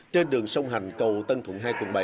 trên đường sông hành cầu tân thuận hai